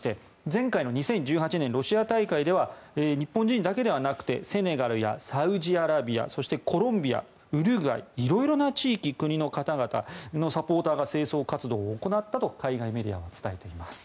前回の２０１８年ロシア大会では日本人だけではなくてセネガルやサウジアラビアそして、コロンビアウルグアイ色々な地域、国の方々が清掃活動を行ったと海外メディアは伝えています。